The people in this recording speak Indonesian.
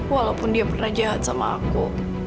walaupun dia pernah jahat sama aku